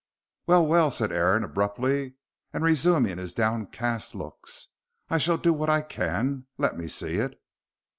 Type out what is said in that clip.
"Well, well," said Aaron, abruptly, and resuming his downcast looks, "I shall do what I can. Let me see it."